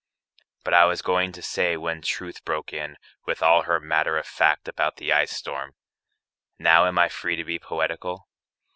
But I was going to say when Truth broke in With all her matter of fact about the ice storm (Now am I free to be poetical?)